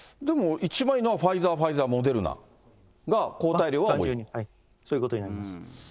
でも、一番いいのは、ファイザー、ファイザー、モデルナが、抗体量はそういうことになります。